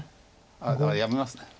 だからやめます。